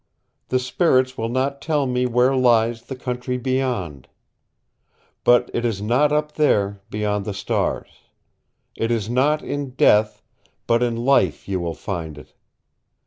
The spirits will not tell me where lies the Country Beyond. But it is not up there beyond the stars. It is not in death, but in life you will find it.